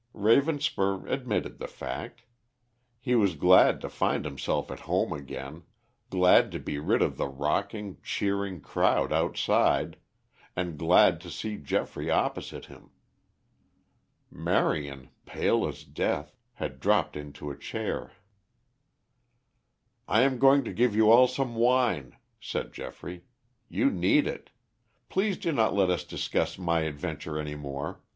Ravenspur admitted the fact. He was glad to find himself at home again, glad to be rid of the rocking, cheering crowd outside, and glad to see Geoffrey opposite him. Marion, pale as death, had dropped into a chair. "I am going to give you all some wine," said Geoffrey. "You need it. Please do not let us discuss my adventure any more.